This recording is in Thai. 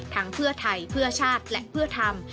ทั้งเพื่อไทยเพื่อชาติและเพื่อธรรม